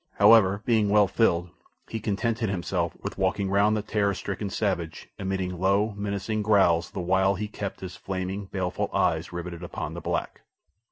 However, being well filled, he contented himself with walking round the terror stricken savage, emitting low, menacing growls the while he kept his flaming, baleful eyes riveted upon the black.